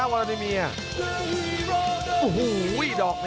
โอ้โห